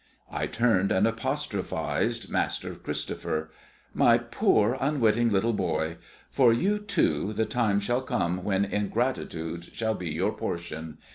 I turned and apostrophised Master Christopher. "My poor, unwitting little boy! For you, too, the time shall come when ingratitude shall be your portion.